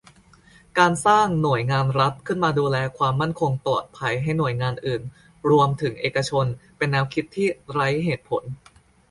การสร้าง "หน่วยงานรัฐ" ขึ้นมาดูแลความมั่นคงปลอดภัยให้หน่วยงานอื่นรวมถึงเอกชน เป็นแนวคิดที่ไร้เหตุผล